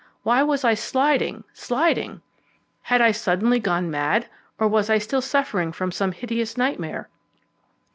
Why was I sliding, sliding? Had I suddenly gone mad, or was I still suffering from some hideous nightmare?